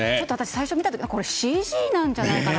最初見た時これ、ＣＧなんじゃないかと。